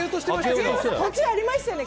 途中にありましたよね？